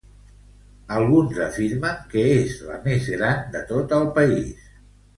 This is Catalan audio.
Alguns afirmen que és la més gran de tot el país.